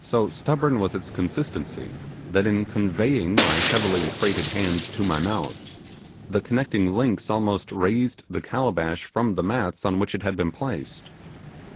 So stubborn was its consistency, that in conveying my heavily weighted hand to my mouth, the connecting links almost raised the calabash from the mats on which it had been placed.